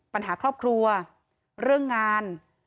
ปัญหาครอบครัวเรื่องงาน